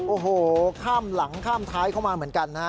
โอ้โหข้ามหลังข้ามท้ายเข้ามาเหมือนกันนะฮะ